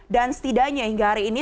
dan setidaknya hingga hari ini